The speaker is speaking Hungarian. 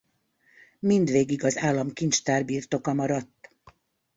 Mindvégig az államkincstár birtoka maradt.